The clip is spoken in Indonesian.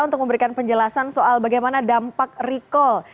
untuk memberikan penjelasan soal bagaimana dampak recall